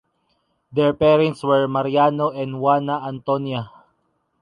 Their parents were Mariano and Juana Antonia.